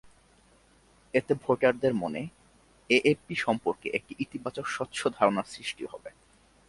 এতে ভোটারদের মনে এএপি সম্পর্কে একটি ইতিবাচক স্বচ্ছ ধারণার সৃষ্টি হবে।